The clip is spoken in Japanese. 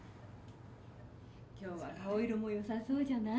・今日は顔色もよさそうじゃない？